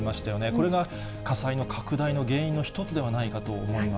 これが火災の拡大の原因の一つではないかと思われます。